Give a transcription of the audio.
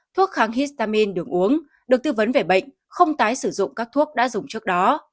thuốc kháng histamin đường uống được tư vấn về bệnh không tái sử dụng các thuốc đã dùng trước đó